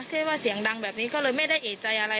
ที่ว่าเสียงดังแบบนี้ก็เลยไม่ได้เอกใจอะไร